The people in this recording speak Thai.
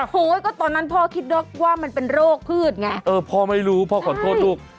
โหก็ตอนนั้นพ่อคิดว่ามันเป็นโรคพืชไงเออพ่อไม่รู้พ่อขอโทษลูก